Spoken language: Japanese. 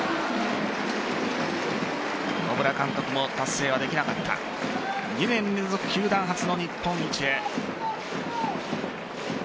野村監督も達成はできなかった２年連続、球団初の日本一へ。